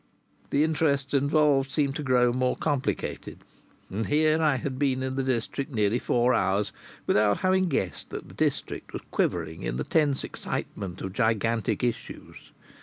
The interests involved seemed to grow more complicated. And here I had been in the district nearly four hours without having guessed that the district was quivering in the tense excitement of gigantic issues!